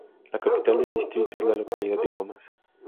La capital del distrito es la localidad de Comas.